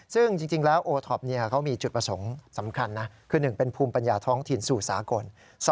ซึ่งจริงแล้วโอท็อปเขามีจุดประสงค์สำคัญนะคือ๑เป็นภูมิปัญญาท้องถิ่นสู่สากล